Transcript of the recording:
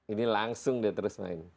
ini langsung dia terus main